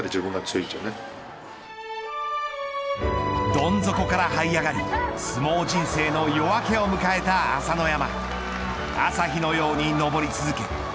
どん底から這い上がり相撲人生の夜明けを迎えた朝乃山。